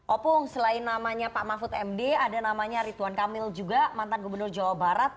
opung selain namanya pak mahfud md ada namanya ridwan kamil juga mantan gubernur jawa barat